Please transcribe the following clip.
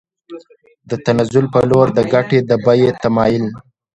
د تنزل په لور د ګټې د بیې تمایل